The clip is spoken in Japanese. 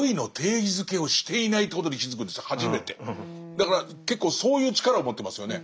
だから結構そういう力を持ってますよね。